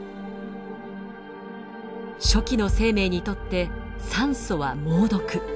初期の生命にとって酸素は猛毒。